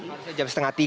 harusnya jam setengah tiga